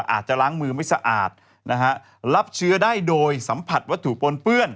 อาจจะล้างมือไม่สะอาดนะฮะรับเชื้อได้โดยสัมผัสวัตถุปนเปื้อน